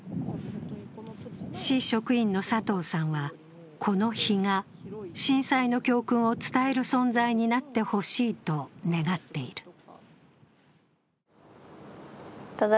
市職員の佐藤さんはこの碑が震災の教訓を伝える碑になってほしいと願っている。